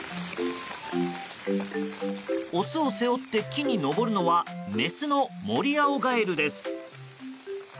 オスを背負って木に登るのはメスのモリアオガエルです。